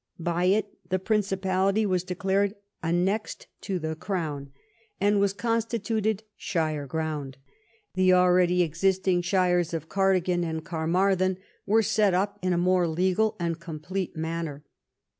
By it the Principality was declared annexed to the crown, and was consti I 114 EDWARD I CHAP. tuted shire ground. The already existing shires of Cardigan and Carmarthen were set up in a more legal and complete manner.